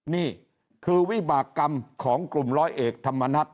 นี่คือวิบากรรมของกลุ่มร้อยเอกธรรมนัฐ